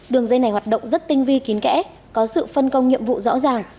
đường dây này hoạt động rất tinh vi kín kẽ có sự phân công nhiệm vụ rõ ràng